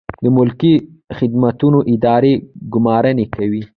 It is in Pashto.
د ملکي خدمتونو اداره ګمارنې کوي